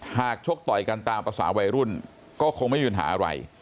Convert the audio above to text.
ชกต่อยกันตามภาษาวัยรุ่นก็คงไม่มีปัญหาอะไร